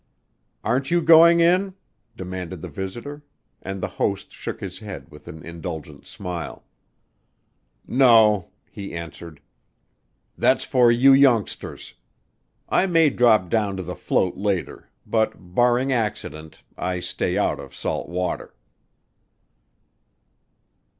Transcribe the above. "Aren't you going in?" demanded the visitor and the host shook his head with an indulgent smile. "No," he answered. "That's for you youngsters. I may drop down to the float later, but, barring accident, I stay out of salt water."